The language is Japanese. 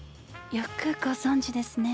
よくご存じですね。